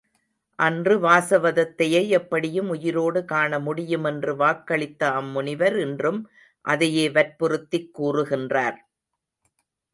அன்று வாசவதத்தையை எப்படியும் உயிரோடு காண முடியும் என்று வாக்களித்த அம் முனிவர் இன்றும் அதையே வற்புறுத்திக் கூறுகின்றார்.